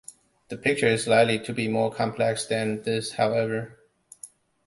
The picture is likely to be more complex than this, however.